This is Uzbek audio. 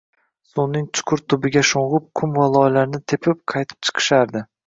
Suvning chuqur tubiga sho`ng`ib, qum va loylarni tepib, qaytib chiqishardi